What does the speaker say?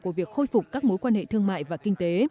của việc khôi phục các mối quan hệ thương mại và kinh tế